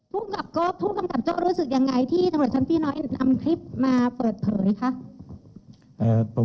ผู้กำกับโจ้รู้สึกยังไงที่ตำรวจชั้นพี่น้อยนำคลิปมาเปิดเผยคะ